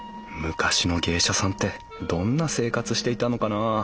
昔の芸者さんってどんな生活していたのかな？